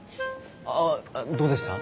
あぁどうでした？